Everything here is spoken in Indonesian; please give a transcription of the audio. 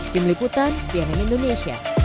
tim liputan cnn indonesia